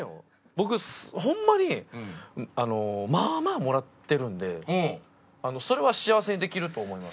僕ホンマにまあまあもらってるんでそれは幸せにできると思います。